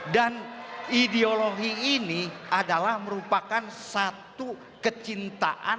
dan ideologi ini adalah merupakan satu kecintakan